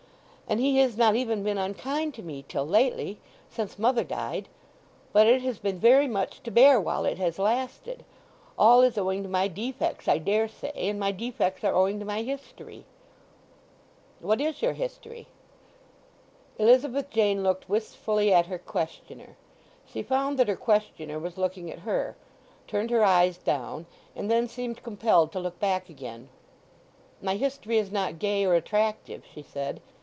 "And he has not even been unkind to me till lately—since mother died. But it has been very much to bear while it has lasted. All is owing to my defects, I daresay; and my defects are owing to my history." "What is your history?" Elizabeth Jane looked wistfully at her questioner. She found that her questioner was looking at her, turned her eyes down; and then seemed compelled to look back again. "My history is not gay or attractive," she said.